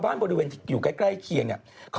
ไปไหมพี่อ่ะ